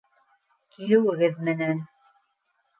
Килеүегеҙ менән!